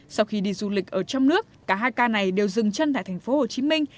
sau khi đi du lịch ở trong nước cả hai ca này đều dừng chân tại thành phố hồ chí minh